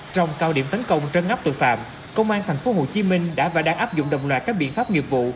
trong cao điểm tấn công trân ngắp tội phạm công an tp hcm đã và đang áp dụng đồng loạt các biện pháp nghiệp vụ